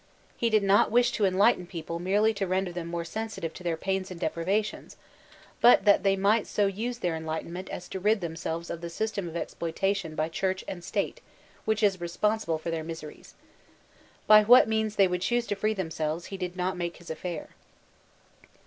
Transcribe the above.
He did not wish to enlighten people merely to render them more sensitive to their pains and depriva tions, but that they might so use their enlightenment as to rid themselves of the system of exploitation by Church Fbakcisco Fkesbs 313 and State which is responsible for their miseries. By what means they would choose to free themselves, he did not make his affair.